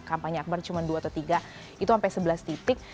kampanye akbar cuma dua atau tiga itu sampai sebelas titik